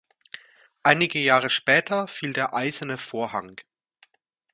Einige Jahre später fiel der Eiserne Vorhang.